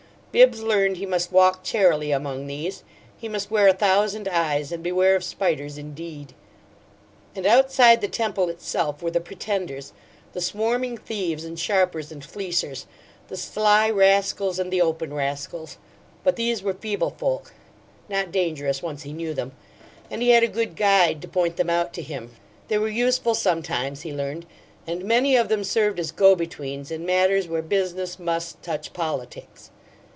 Bibbs learned he must walk charily among these he must wear a thousand eyes and beware of spiders indeed! And outside the temple itself were the pretenders, the swarming thieves and sharpers and fleecers, the sly rascals and the open rascals; but these were feeble folk, not dangerous once he knew them, and he had a good guide to point them out to him. They were useful sometimes, he learned, and many of them served as go betweens in matters where business must touch politics.